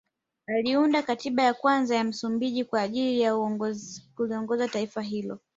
Aliunda katiba ya kwanza ya Msumbiji kwa ajili ya kuliongoza taifa hilo